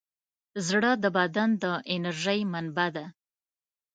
زړه د بدن د انرژۍ منبع ده.